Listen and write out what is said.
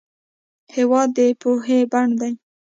هېواد د پوهې بڼ دی.